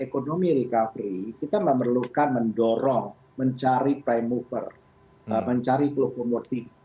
tapi dalam situasi seperti ini untuk melakukan ekonomi recovery kita memerlukan mendorong mencari prime mover mencari global marketing